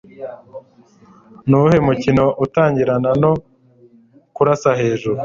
Nuwuhe mukino utangirana no kurasa hejuru